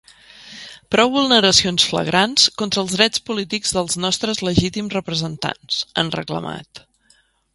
Prou vulneracions flagrants contra els drets polítics dels nostres legítims representants, han reclamat.